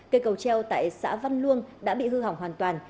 cây cầu treo tại xã văn luông đã bị hư hỏng hoàn toàn